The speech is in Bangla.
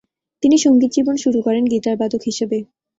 তিনি সঙ্গীত জীবন শুরু করেন গিটারবাদক হিসেবে।